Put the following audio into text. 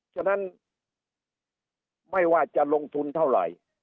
ฉะนั้นไม่ว่าจะลงทุนเท่าไหร่